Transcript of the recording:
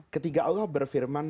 ketiga allah berfirman